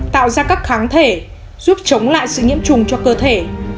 tạo ra các kháng thể giúp chống lại sự nhiễm trùng cho cơ thể